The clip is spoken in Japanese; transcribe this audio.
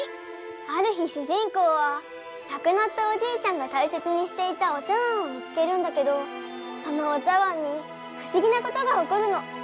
ある日主人公はなくなったおじいちゃんがたいせつにしていたお茶碗を見つけるんだけどそのお茶碗にふしぎなことがおこるの。